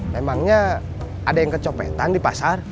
memangnya ada yang kecopetan di pasar